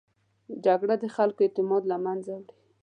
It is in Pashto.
جګړه د خلکو اعتماد له منځه وړي